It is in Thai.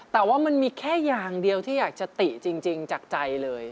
แต่ว่ามันมีแค่อย่างเดียวที่อยากจะติจริงจากใจเลย